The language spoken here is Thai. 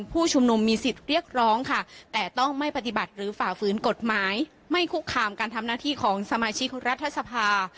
ผู้ชุมนุมมีสิทธิ์เรียกร้องค่ะแต่ต้องไม่ปฏิบัติหรือฝ่าฝืนกฎหมายไม่คุกคามการทำหน้าที่ของสมาชิกรัฐสภา